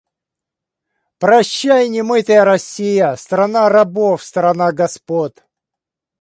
Прощай, немытая Россия, Страна рабов, страна господ